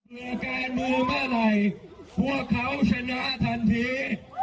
การเมืองเมื่อไหร่พวกเขาชนะทันที